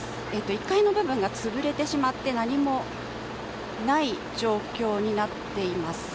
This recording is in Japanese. １階の部分が潰れてしまって何もない状況になっています。